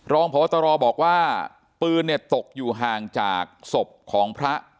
รองพบตรบอกว่าปืนเนี่ยตกอยู่ห่างจากศพของพระ